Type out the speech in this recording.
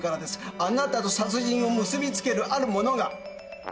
あなたと殺人を結びつけるあるものが。